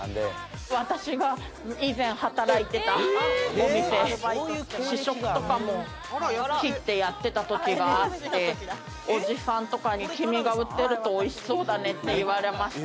私が試食とかも切ってやってた時があっておじさんとかに「君が売ってるとおいしそうだね」って言われました。